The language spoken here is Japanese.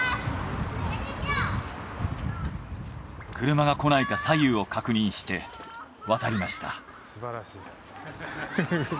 車が来ないか左右を確認して渡りました。